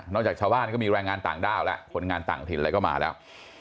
จากชาวบ้านก็มีแรงงานต่างด้าวแล้วคนงานต่างถิ่นอะไรก็มาแล้ว